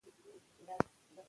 او که د پوشاک په برخه کې،